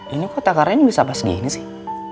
ini kok takaran bisa pas gini sih